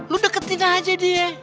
lo deketin aja dia